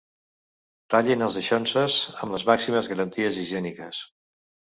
Tallin els daixonses amb les màximes garanties higièniques.